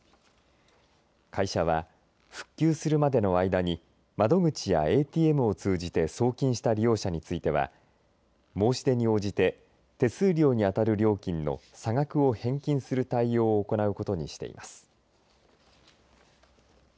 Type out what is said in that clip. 会社は、復旧するまでの間に窓口やＡＴＭを通じて送金した利用者については申し出に応じて手数料に当たる料金の差額を返金する対応を行うことにしています。